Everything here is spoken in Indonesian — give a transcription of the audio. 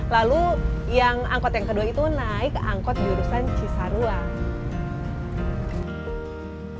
lalu yang angkot yang kedua itu naik angkot jurusan cisarua